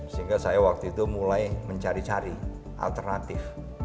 sehingga saya waktu itu mulai mencari cari alternatif